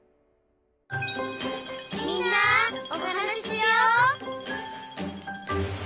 「みんなおはなししよう」